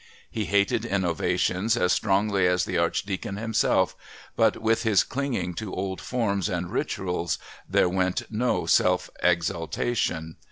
He hated innovations as strongly as the Archdeacon himself, but with his clinging to old forms and rituals there went no self exaltation.